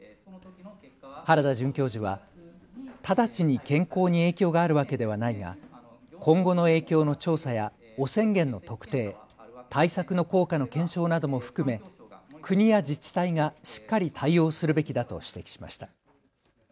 原田准教授は直ちに健康に影響があるわけではないが今後の影響の調査や汚染源の特定、対策の効果の検証なども含め国や自治体がしっかり対応するべきだと指摘しました。